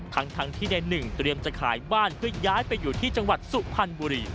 ทั้งที่ในหนึ่งเตรียมจะขายบ้านเพื่อย้ายไปอยู่ที่จังหวัดสุพรรณบุรี